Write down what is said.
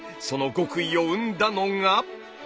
その極意を生んだのが。